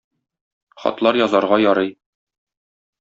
Хатлар язарга ярый.